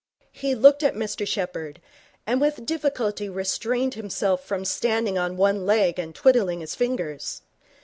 He looked at Mr Sheppherd, and with difficulty restrained himself from standing on one leg and twiddling his fingers.